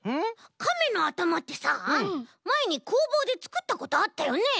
カメのあたまってさまえにこうぼうでつくったことあったよね？